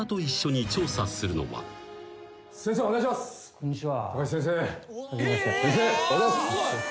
「こんにちは」